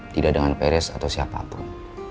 tidak dengan feris atau siapa pun